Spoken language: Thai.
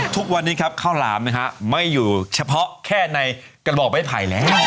ทุกวันนี้ครับข้าวหลามนะฮะไม่อยู่เฉพาะแค่ในกระบอกไม้ไผ่แล้ว